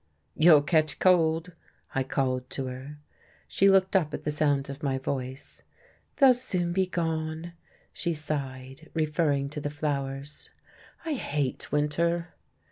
"You'll catch cold," I called to her. She looked up at the sound of my voice. "They'll soon be gone," she sighed, referring to the flowers. "I hate winter."